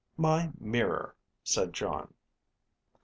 "My mirror," said Jon.